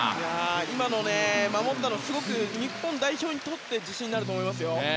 今のを守ったのはすごく日本代表にとって自信になると思いますよ。